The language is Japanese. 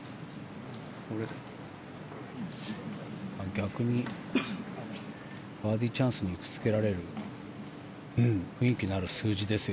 逆にバーディーチャンスにつけられる雰囲気のある数字ですね。